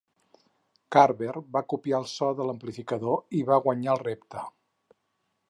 Carver va copiar el so de l'amplificador i va guanyar el repte.